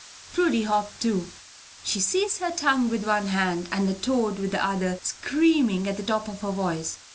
Prudy hopped too. She seized her tongue with one hand and the toad with the other, screaming at the top of her voice.